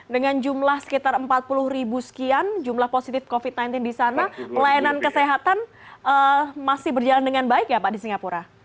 dengan jumlah sekitar empat puluh ribu sekian jumlah positif covid sembilan belas di sana pelayanan kesehatan masih berjalan dengan baik ya pak di singapura